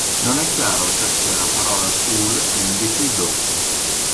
Non è chiaro il perché la parola "fool" indichi il dolce.